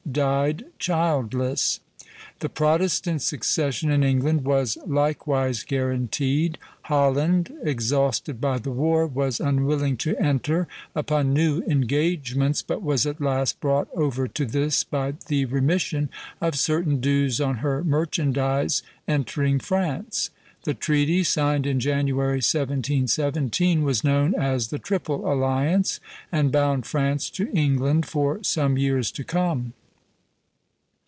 died childless. The Protestant succession in England was likewise guaranteed. Holland, exhausted by the war, was unwilling to enter upon new engagements, but was at last brought over to this by the remission of certain dues on her merchandise entering France. The treaty, signed in January, 1717, was known as the Triple Alliance, and bound France to England for some years to come.